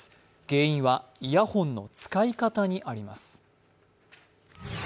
原因はイヤホンの使い方にあります。